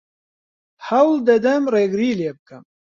هەوڵ دەدەم ڕێگری لێ بکەم.